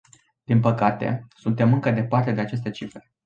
Din păcate, suntem încă departe de aceste cifre.